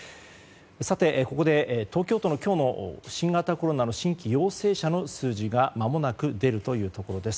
ここで東京都の今日の新型コロナの新規陽性者の数字がまもなく出るというところです。